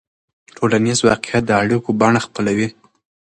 ټولنیز واقعیت د اړیکو بڼه خپلوي.